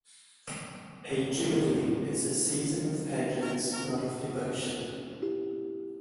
A jubilee is a season of pageants, not of devotion.